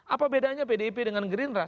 apa bedanya pdp dengan green rock